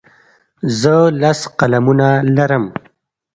زه لس قلمونه لرم.